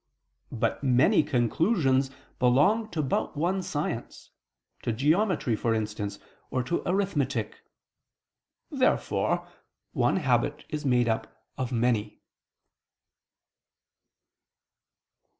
But many conclusions belong to but one science, to geometry, for instance, or to arithmetic. Therefore one habit is made up of many.